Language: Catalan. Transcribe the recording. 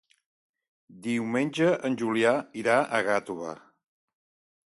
Diumenge en Julià irà a Gàtova.